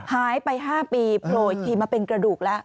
หายไป๕ปีโผล่อีกทีมาเป็นกระดูกแล้ว